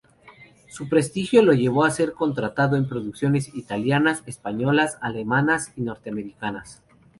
Su prestigio lo llevó a ser contratado en producciones italianas, españolas, alemanas y norteamericanas.